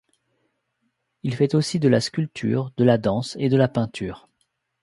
Il fait aussi de la sculpture, de la danse et de la peinture.